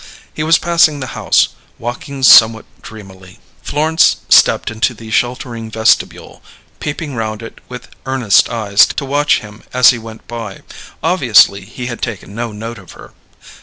He was passing the house, walking somewhat dreamily. Florence stepped into the sheltering vestibule, peeping round it with earnest eyes to watch him as he went by; obviously he had taken no note of her.